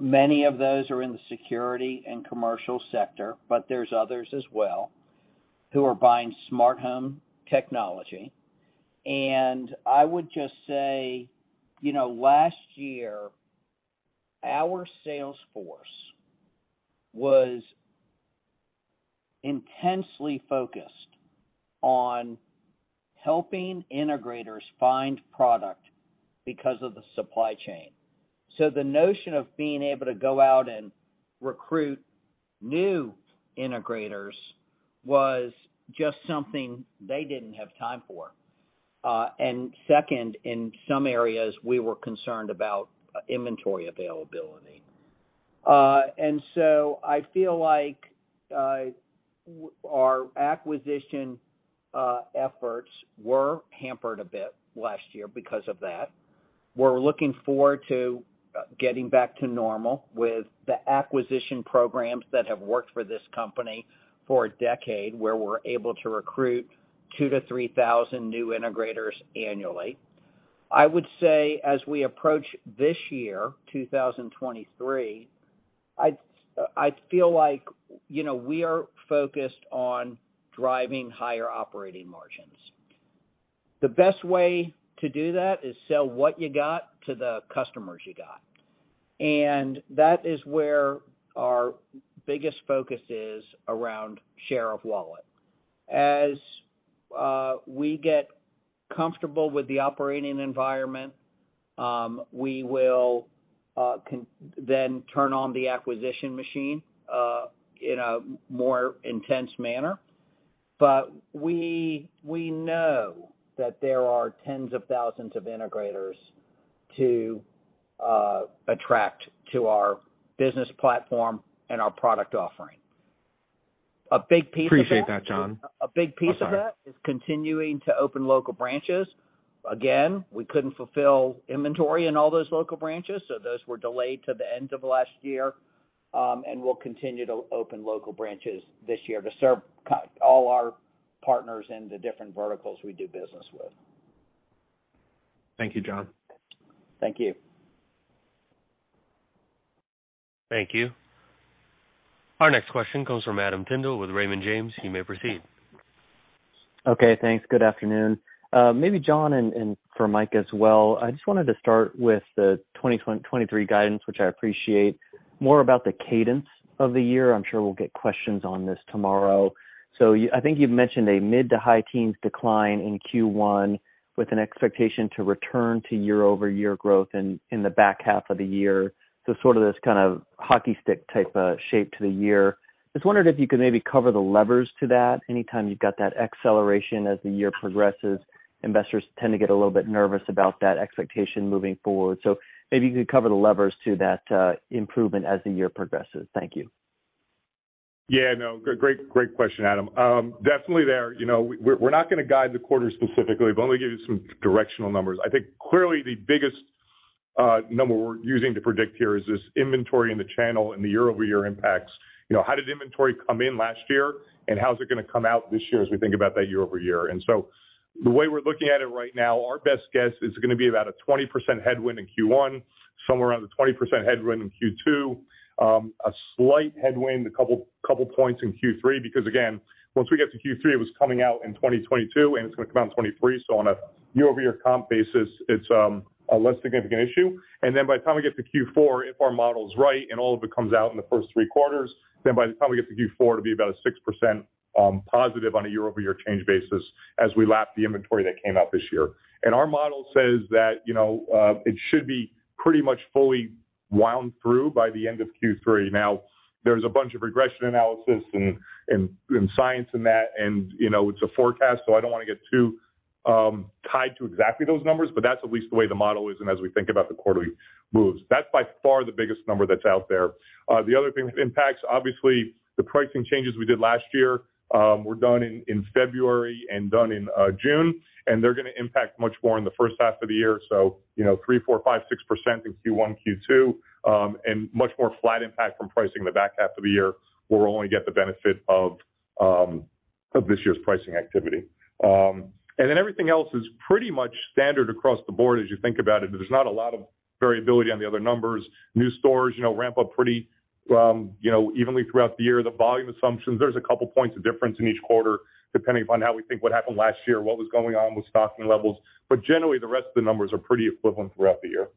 Many of those are in the security and commercial sector, but there's others as well who are buying smart home technology. I would just say, you know, last year, our sales force was intensely focused on helping integrators find product because of the supply chain. The notion of being able to go out and recruit new integrators was just something they didn't have time for. Second, in some areas, we were concerned about inventory availability. I feel like our acquisition efforts were hampered a bit last year because of that. We're looking forward to getting back to normal with the acquisition programs that have worked for this company for a decade, where we're able to recruit 2,000-3,000 new integrators annually. I would say as we approach this year, 2023, I'd feel like, you know, we are focused on driving higher operating margins. The best way to do that is sell what you got to the customers you got, that is where our biggest focus is around share of wallet. As we get comfortable with the operating environment, we will then turn on the acquisition machine in a more intense manner. We know that there are tens of thousands of integrators to attract to our business platform and our product offering. A big piece of that. Appreciate that, John. A big piece of that. I'm sorry. Is continuing to open local branches. Again, we couldn't fulfill inventory in all those local branches, so those were delayed to the end of last year. We'll continue to open local branches this year to serve all our partners in the different verticals we do business with. Thank you, John. Thank you. Thank you. Our next question comes from Adam Tindle with Raymond James. You may proceed. Okay, thanks. Good afternoon. Maybe John and for Mike as well, I just wanted to start with the 2023 guidance, which I appreciate more about the cadence of the year. I'm sure we'll get questions on this tomorrow. I think you've mentioned a mid to high teens decline in Q1 with an expectation to return to year-over-year growth in the back half of the year. sort of this kind of hockey stick type of shape to the year. Just wondered if you could maybe cover the levers to that. Anytime you've got that acceleration as the year progresses, investors tend to get a little bit nervous about that expectation moving forward. maybe you could cover the levers to that improvement as the year progresses. Thank you. Yeah, no, great question, Adam. Definitely there. You know, we're not gonna guide the quarter specifically, but I'm gonna give you some directional numbers. I think clearly the number we're using to predict here is this inventory in the channel and the year-over-year impacts. You know, how did inventory come in last year, and how's it gonna come out this year as we think about that year-over-year? The way we're looking at it right now, our best guess is gonna be about a 20% headwind in Q1, somewhere around the 20% headwind in Q2, a slight headwind, a couple points in Q3, because again, once we get to Q3, it was coming out in 2022, and it's gonna come out in 2023. On a year-over-year comp basis, it's a less significant issue. By the time we get to Q4, if our model is right, and all of it comes out in the first three quarters, then by the time we get to Q4, it'll be about a 6% positive on a year-over-year change basis as we lap the inventory that came out this year. Our model says that, you know, it should be pretty much fully wound through by the end of Q3. There's a bunch of regression analysis and science in that and, you know, it's a forecast, so I don't wanna get too tied to exactly those numbers, but that's at least the way the model is and as we think about the quarterly moves. That's by far the biggest number that's out there. The other thing that impacts, obviously, the pricing changes we did last year, were done in February and done in June, and they're gonna impact much more in the first half of the year. You know, 3%, 4%, 5%, 6% in Q1, Q2, and much more flat impact from pricing in the back half of the year, where we'll only get the benefit of this year's pricing activity. Everything else is pretty much standard across the board as you think about it. There's not a lot of variability on the other numbers. New stores, you know, ramp up pretty, you know, evenly throughout the year. The volume assumptions, there's a couple points of difference in each quarter, depending upon how we think what happened last year, what was going on with stocking levels. Generally, the rest of the numbers are pretty equivalent throughout the year.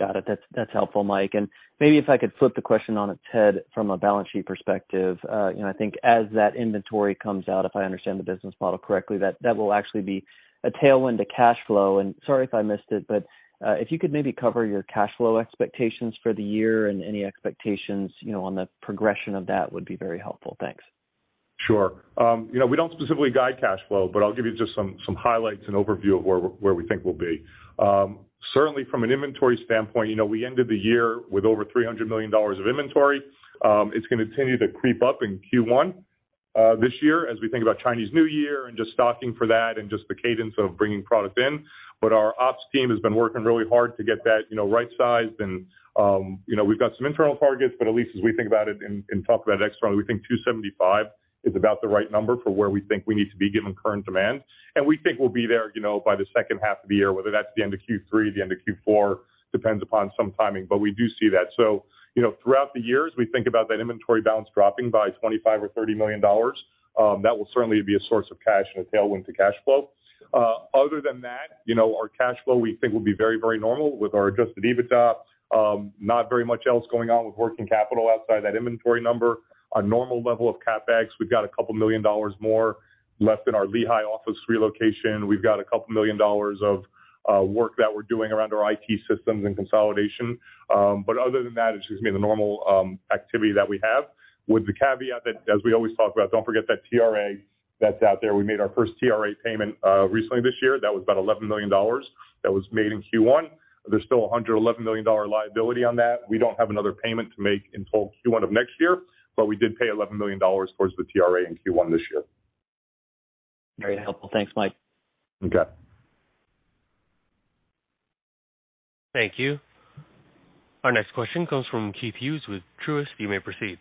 Got it. That's helpful, Mike. Maybe if I could flip the question on its head from a balance sheet perspective. You know, I think as that inventory comes out, if I understand the business model correctly, that will actually be a tailwind to cash flow. Sorry if I missed it, but if you could maybe cover your cash flow expectations for the year and any expectations, you know, on the progression of that would be very helpful. Thanks. Sure. You know, we don't specifically guide cash flow, but I'll give you just some highlights and overview of where we think we'll be. Certainly from an inventory standpoint, you know, we ended the year with over $300 million of inventory. It's gonna continue to creep up in Q1 this year as we think about Chinese New Year and just stocking for that and just the cadence of bringing product in. Our ops team has been working really hard to get that, you know, right-sized and, you know, we've got some internal targets, but at least as we think about it and talk about it externally, we think $275 million is about the right number for where we think we need to be given current demand. We think we'll be there, you know, by the second half of the year, whether that's the end of Q3, the end of Q4, depends upon some timing, but we do see that. You know, throughout the years, we think about that inventory balance dropping by $25 million or $30 million. That will certainly be a source of cash and a tailwind to cash flow. Other than that, you know, our cash flow, we think, will be very, very normal with our Adjusted EBITDA. Not very much else going on with working capital outside that inventory number. A normal level of CapEx. We've got $2 million more left in our Lehi office relocation. We've got $2 million of work that we're doing around our IT systems and consolidation. Other than that, it's just gonna be the normal activity that we have, with the caveat that, as we always talk about, don't forget that TRA that's out there. We made our first TRA payment recently this year. That was about $11 million that was made in Q1. There's still a $111 million liability on that. We don't have another payment to make until Q1 of next year, but we did pay $11 million towards the TRA in Q1 this year. Very helpful. Thanks, Mike. Okay. Thank you. Our next question comes from Keith Hughes with Truist. You may proceed.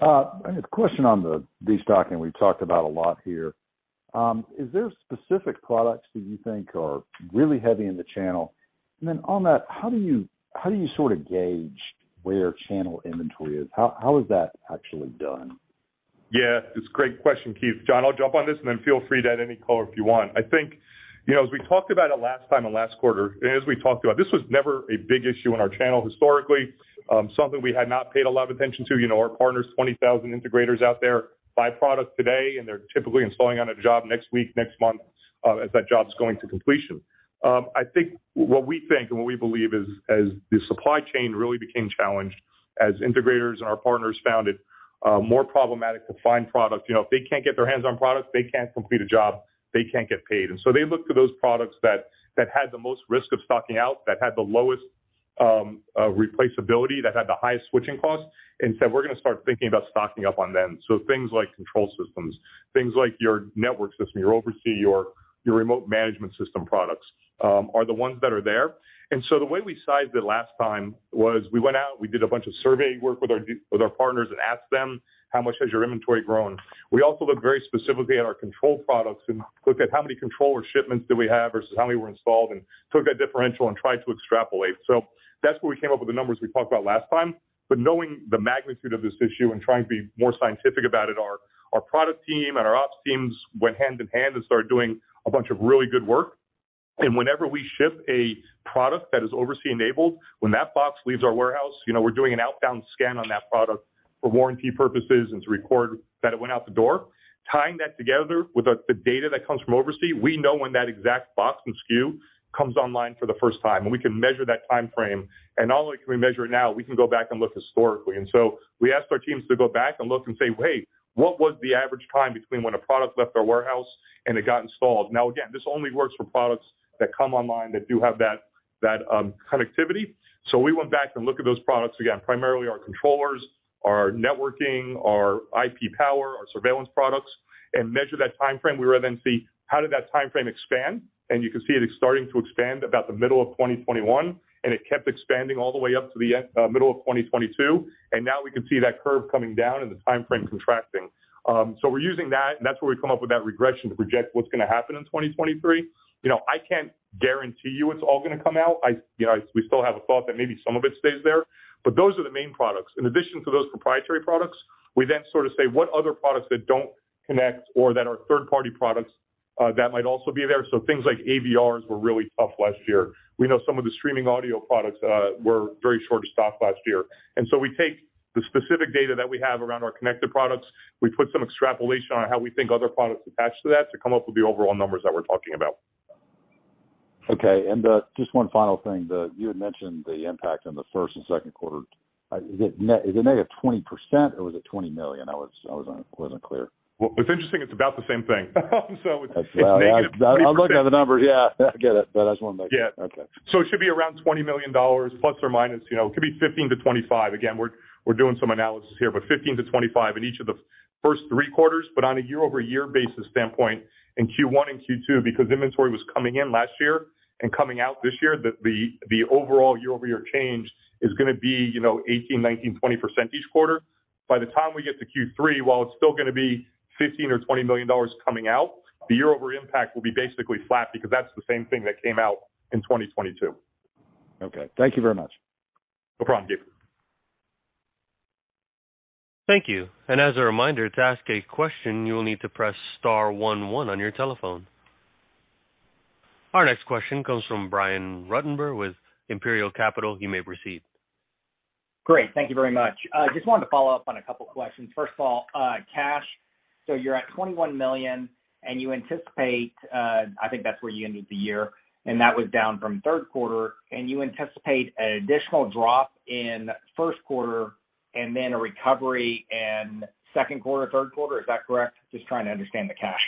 I have a question on the destocking we've talked about a lot here. Is there specific products that you think are really heavy in the channel? On that, how do you sort of gauge where channel inventory is? How is that actually done? It's a great question, Keith. John, I'll jump on this and then feel free to add any color if you want. I think, you know, as we talked about it last time and last quarter, and as we talked about, this was never a big issue in our channel historically. Something we had not paid a lot of attention to. You know, our partners, 20,000 integrators out there, buy product today, and they're typically installing on a job next week, next month, as that job's going to completion. I think what we think and what we believe is as the supply chain really became challenged, as integrators and our partners found it more problematic to find product, you know, if they can't get their hands on product, they can't complete a job, they can't get paid. They looked to those products that had the most risk of stocking out, that had the lowest replaceability, that had the highest switching costs and said, "We're gonna start thinking about stocking up on them." Things like control systems, things like your network system, your OvrC, your remote management system products are the ones that are there. The way we sized it last time was we went out, we did a bunch of survey work with our partners and asked them, "How much has your inventory grown?" We also looked very specifically at our control products and looked at how many controller shipments do we have versus how many were installed and took that differential and tried to extrapolate. That's where we came up with the numbers we talked about last time. Knowing the magnitude of this issue and trying to be more scientific about it, our product team and our ops teams went hand in hand and started doing a bunch of really good work. Whenever we ship a product that is OvrC enabled, when that box leaves our warehouse, you know, we're doing an outbound scan on that product for warranty purposes and to record that it went out the door. Tying that together with the data that comes from OvrC, we know when that exact box and SKU comes online for the first time, and we can measure that timeframe. Not only can we measure it now, we can go back and look historically. We asked our teams to go back and look and say, "Wait, what was the average time between when a product left our warehouse and it got installed?" Again, this only works for products that come online that do have that connectivity. We went back and looked at those products again, primarily our controllers, our networking, our IP Power, our surveillance products, and measure that time frame. We would see how did that time frame expand. You can see it is starting to expand about the middle of 2021, and it kept expanding all the way up to the middle of 2022. Now we can see that curve coming down and the time frame contracting. We're using that, and that's where we come up with that regression to project what's gonna happen in 2023. You know, I can't guarantee you it's all going to come out. I, you know, we still have a thought that maybe some of it stays there, those are the main products. In addition to those proprietary products, we then sort of say what other products that don't connect or that are third-party products that might also be there. Things like AVRs were really tough last year. We know some of the streaming audio products were very short of stock last year. We take the specific data that we have around our connected products. We put some extrapolation on how we think other products attach to that to come up with the overall numbers that we're talking about. Okay. Just one final thing. You had mentioned the impact on the first and second quarter. Is it, is it -20% or was it $20 million? I wasn't clear. Well, what's interesting, it's about the same thing. I'm looking at the numbers. Yeah, I get it, but I just wanted to make sure. Yeah. Okay. It should be around $20± million, you know. It could be $15-$25. Again, we're doing some analysis here, but $15-$25 in each of the first three quarters. On a year-over-year basis standpoint, in Q1 and Q2, because inventory was coming in last year and coming out this year, the overall year-over-year change is gonna be, you know, 18%, 19%, 20% each quarter. By the time we get to Q3, while it's still gonna be $15 million or $20 million coming out, the year-over-year impact will be basically flat because that's the same thing that came out in 2022. Okay. Thank you very much. No problem, Keith. Thank you. As a reminder, to ask a question, you will need to press star one one on your telephone. Our next question comes from Brian Ruttenbur with Imperial Capital. You may proceed. Great. Thank you very much. I just wanted to follow up on a couple questions. First of all, cash. You're at $21 million, and you anticipate, I think that's where you ended the year, and that was down from third quarter. You anticipate an additional drop in first quarter and then a recovery in second quarter, third quarter. Is that correct? Just trying to understand the cash.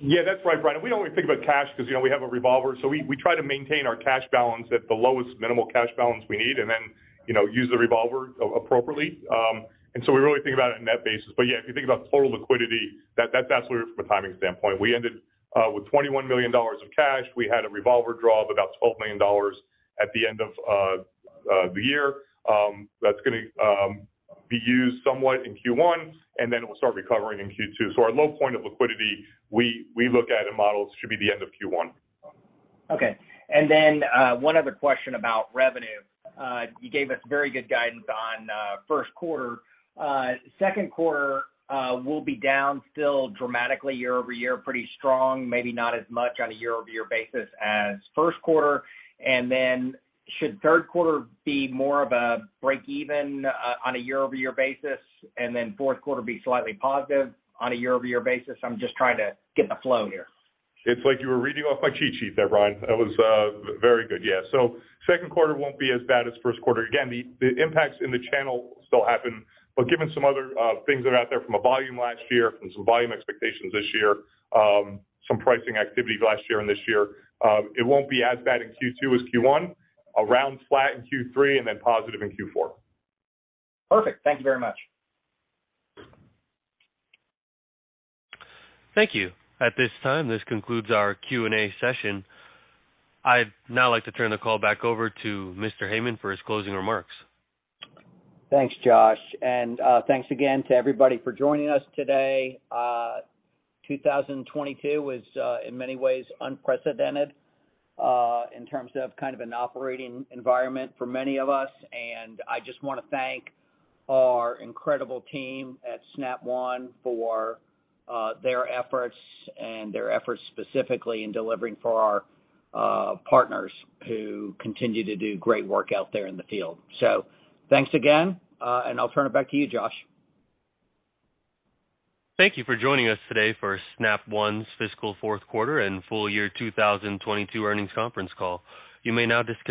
Yeah, that's right, Brian. We don't really think about cash 'cause, you know, we have a revolver. We try to maintain our cash balance at the lowest minimal cash balance we need and then, you know, use the revolver appropriately. We really think about it in net basis. Yeah, if you think about total liquidity, that's where from a timing standpoint. We ended with $21 million of cash. We had a revolver draw of about $12 million at the end of the year. That's gonna be used somewhat in Q1, and then we'll start recovering in Q2. Our low point of liquidity, we look at in models should be the end of Q1. Okay. one other question about revenue. You gave us very good guidance on first quarter. Second quarter will be down still dramatically year-over-year, pretty strong, maybe not as much on a year-over-year basis as first quarter. Should third quarter be more of a break even on a year-over-year basis, and then fourth quarter be slightly positive on a year-over-year basis? I'm just trying to get the flow here. It's like you were reading off my cheat sheet there, Brian. That was very good. Yeah. Second quarter won't be as bad as first quarter. Again, the impacts in the channel still happen, but given some other things that are out there from a volume last year, from some volume expectations this year, some pricing activity last year and this year, it won't be as bad in Q2 as Q1, around flat in Q3, and then positive in Q4. Perfect. Thank you very much. Thank you. At this time, this concludes our Q&A session. I'd now like to turn the call back over to Mr. Heyman for his closing remarks. Thanks, Josh and thanks again to everybody for joining us today. 2022 was, in many ways unprecedented, in terms of kind of an operating environment for many of us. I just wanna thank our incredible team at Snap One for, their efforts and their efforts specifically in delivering for our, partners who continue to do great work out there in the field. Thanks again, and I'll turn it back to you, Josh. Thank you for joining us today for Snap One's fiscal fourth quarter and full year 2022 earnings conference call. You may now disconnect.